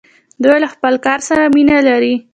دوی له خپل کار سره مینه لري.